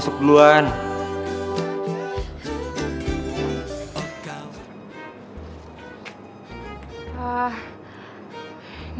suruh masuk duluan